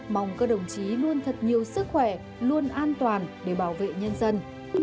mong các đồng chí luôn thật nhiều sức khỏe luôn an toàn để bảo vệ nhân dân